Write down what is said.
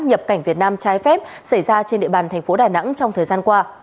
nhập cảnh việt nam trái phép xảy ra trên địa bàn tp đà nẵng trong thời gian qua